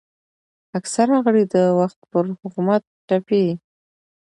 اکثره غړي د وخت پر حکومت تپي